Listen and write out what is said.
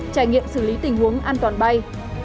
trải nghiệm xử lý tình huống an toàn bay